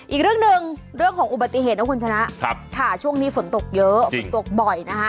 อีกเรื่องหนึ่งเรื่องของอุบัติเหตุนะคุณชนะค่ะช่วงนี้ฝนตกเยอะฝนตกบ่อยนะคะ